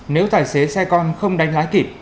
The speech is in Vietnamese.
nếu tài xế xe con không đánh lái kịp